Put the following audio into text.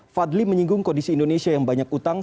fadli menyinggung kondisi indonesia yang banyak utang